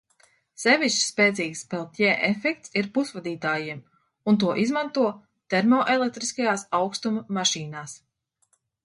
Sevišķi spēcīgs Peltjē efekts ir pusvadītājiem un to izmanto termoelektriskajās aukstuma mašīnās.